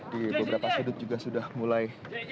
di beberapa sudut juga sudah mulai